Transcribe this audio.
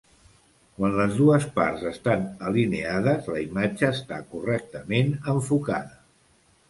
Quan les dues parts estan alineades la imatge està correctament enfocada.